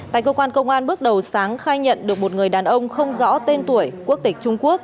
tại cơ quan công an bước đầu sáng khai nhận được một người đàn ông không rõ tên tuổi quốc tịch trung quốc